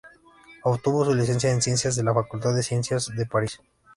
Obtuvo su licencia en ciencias en la Facultad de Ciencias de París.